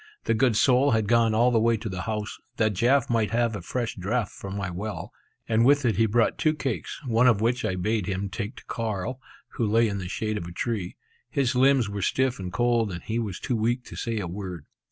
The good soul had gone all the way to the house, that Jaf might have a fresh draught from my well; and with it he brought two cakes, one of which I bade him take to Carl, who lay in the shade of a tree. His limbs were stiff and cold, and he was too weak to say a word.